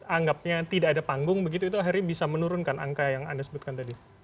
anggapnya tidak ada panggung begitu itu akhirnya bisa menurunkan angka yang anda sebutkan tadi